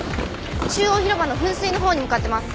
中央広場の噴水のほうに向かってます。